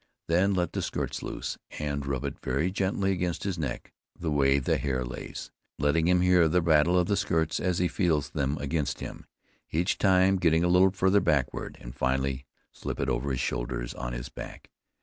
Then let the skirts loose, and rub it very gently against his neck the way the hair lays, letting him hear the rattle of the skirts as he feels them against him; each time getting a little farther backward, and finally slip it over his shoulders on his back.